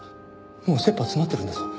もう切羽詰まってるんだぞ。